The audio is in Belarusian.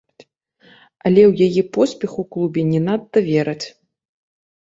Але ў яе поспех у клубе не надта вераць.